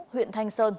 huyện thanh sơn